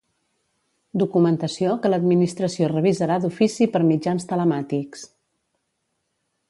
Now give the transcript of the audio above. Documentació que l'Administració revisarà d'ofici per mitjans telemàtics.